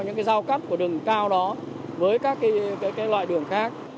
những cái giao cắt của đường cao đó với các loại đường khác